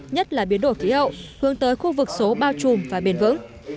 nhất là biến đổi khí hậu hướng tới khu vực số bao trùm và bền vững